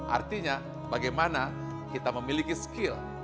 artinya bagaimana kita memiliki skill